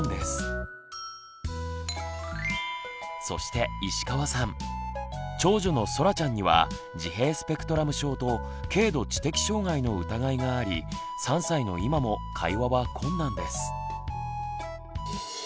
そして長女のそらちゃんには自閉スペクトラム症と軽度知的障害の疑いがあり３歳の今も会話は困難です。